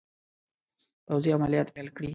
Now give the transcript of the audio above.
پوځي عملیات پیل کړي.